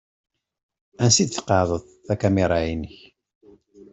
Ansi d-tqeεεdeḍ takamira-inek?